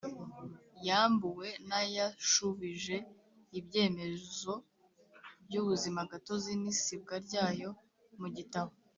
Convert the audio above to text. yambuwe n ayashubije ibyemezo by ubuzimagatozi n isibwa ryayo mu gitabo